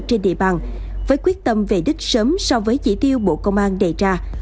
trên địa bàn với quyết tâm về đích sớm so với chỉ tiêu bộ công an đề ra